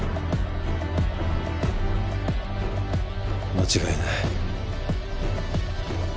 間違いない。